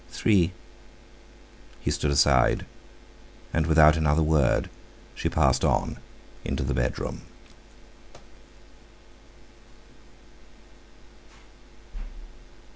"Three." He stood aside, and without another word she passed on into the bedroom.